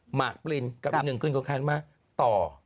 หมากปรินกับอีกหนึ่งคืนก็คันมากต่อ